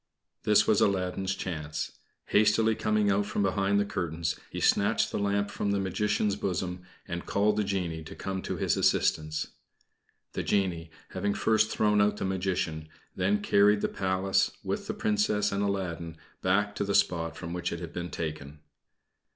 This was Aladdin's chance. Hastily coming out from behind the curtains, he snatched the lamp from the Magician's bosom, and called the genie to come to his assistance. The genie, having first thrown out the Magician, then carried the Palace with the Princess and Aladdin back to the spot from which it had been taken.